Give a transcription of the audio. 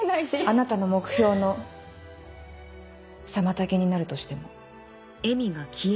あなたの目標の妨げになるとしても？